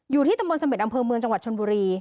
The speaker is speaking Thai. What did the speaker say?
อยู่ที่ตำบลเสม็ดอำเภอเมืองจังหวัดชนบุรี